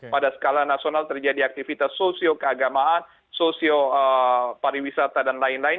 pada skala nasional terjadi aktivitas sosio keagamaan sosio pariwisata dan lain lain